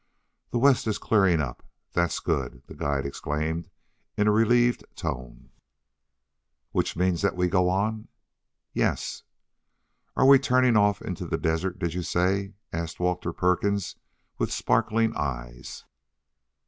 The west is clearing up. That's good," the guide exclaimed in a relieved tone. "Which means that we go on?" "Yes." "Are we turning off into the desert, did you say?" asked Walter Perkins, with sparkling eyes.